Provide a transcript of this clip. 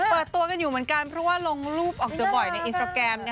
เปิดตัวกันอยู่เหมือนกันเพราะว่าลงรูปออกเจอบ่อยในอินสตราแกรม